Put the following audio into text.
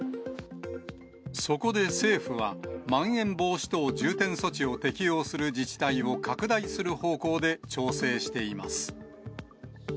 そこで政府は、まん延防止等重点措置を適用する自治体を拡大する方向で調整しています。